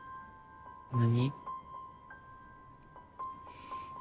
何？